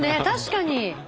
確かに。